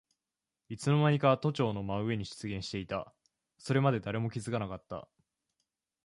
いつのまにか都庁の真上に出現していた。それまで誰も気づかなかった。